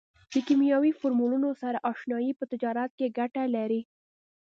د کیمیاوي فورمولونو سره اشنایي په تجارت کې ګټه لري.